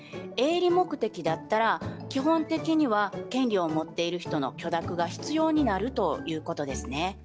営利目的だったら基本的には権利を持っている人の許諾が必要になるということですね。